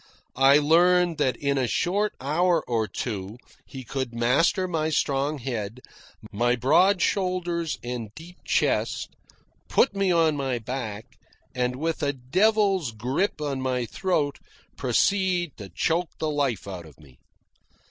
I learned that in a short hour or two he could master my strong head, my broad shoulders and deep chest, put me on my back, and with a devil's grip on my throat proceed to choke the life out of me.